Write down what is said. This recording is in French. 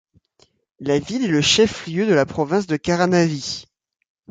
La ville est le chef-lieu de la province de Caranavi.